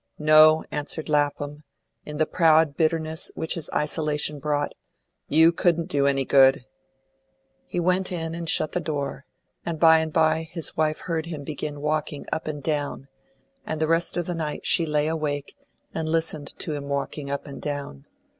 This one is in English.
"No," answered Lapham, in the proud bitterness which his isolation brought, "you couldn't do any good." He went in and shut the door, and by and by his wife heard him begin walking up and down; and then the rest of the night she lay awake and listened to him walking up and down.